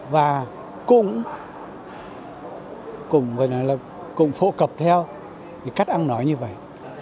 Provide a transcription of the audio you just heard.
và cùng phổ cập theo cách ăn nổi như vậy